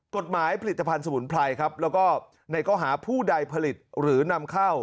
กฎหมายผลิตภัณฑ์สมุนไพรและก็หาผู้ใดผลิตหรือนำเข้า